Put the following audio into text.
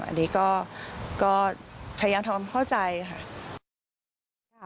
อันนี้ก็พยายามทำเข้าใจค่ะ